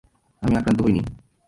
আমি আক্রান্ত হইনি।